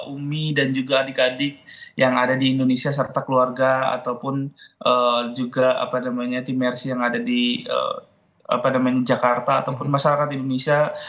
umi dan juga adik adik yang ada di indonesia serta keluarga ataupun juga apa namanya tim mercy yang ada di jakarta ataupun masyarakat indonesia